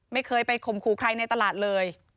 ไม่เคยไปข่มขู่ใครในตลาดเลย